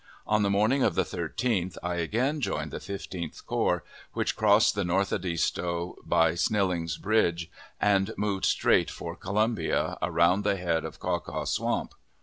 On the morning of the 13th I again joined the Fifteenth Corps, which crossed the North Edisto by Snilling's Bridge, and moved straight for Columbia, around the head of Caw Caw Swamp.